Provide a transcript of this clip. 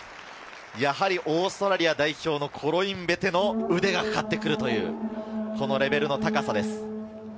オーストラリア代表のコロインベテの腕がかかってくるというレベルの高さです。